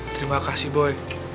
terima kasih boy